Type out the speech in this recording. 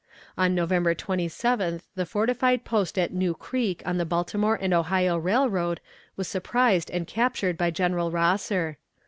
On November 27th the fortified post at New Creek on the Baltimore and Ohio Railroad was surprised and captured by General Rosser.